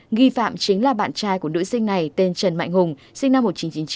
nghi phạm chính là bạn trai của nữ sinh này tên trần mạnh hùng sinh năm một nghìn chín trăm chín mươi